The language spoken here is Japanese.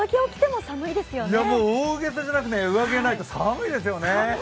もう大げさじゃなく上着がないと寒いですよね。